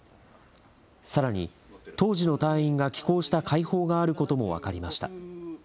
さらに、当時の隊員が寄稿した会報があることも分かりました。